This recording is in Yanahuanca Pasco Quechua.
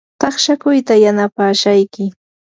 taqshakuyta yanapashayki.